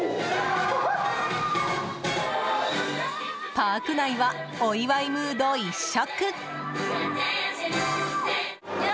パーク内はお祝いムード一色！